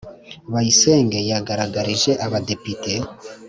bayisenge yagaragarije abadepite